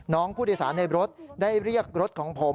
น้องผู้โดยสารในรถได้เรียกรถของผม